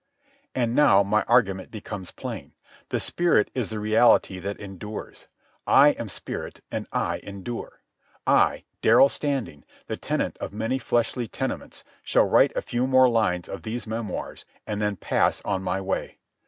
And now my argument becomes plain. The spirit is the reality that endures. I am spirit, and I endure. I, Darrell Standing, the tenant of many fleshly tenements, shall write a few more lines of these memoirs and then pass on my way.